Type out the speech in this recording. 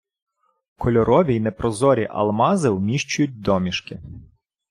Кольорові й непрозорі алмази вміщують домішки